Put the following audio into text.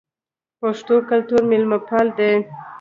پښتو کلتور میلمه پال دی